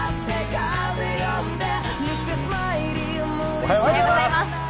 おはようございます。